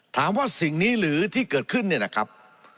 ถามว่าสิ่งนี้หรือที่เกิดขึ้นเนี่ยนะครับ